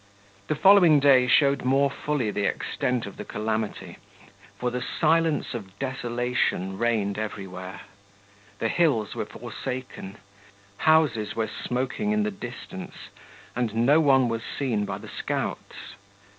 The following day showed more fully the extent of the calamity, for the silence of desolation reigned everywhere: the hills were forsaken, houses were smoking in the distance, and no one was seen by the scouts.